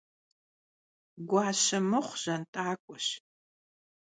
Guaşe mıxhu jant'ak'ueş ,